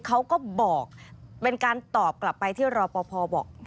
เขาก็บอกเป็นการตอบกลับไปที่รอปภบอก